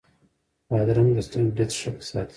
بادرنګ د سترګو لید ښه ساتي.